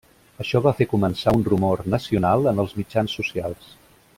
Això va fer començar un rumor nacional en els mitjans socials.